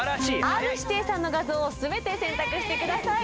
Ｒ−指定さんの画像を全て選択してください。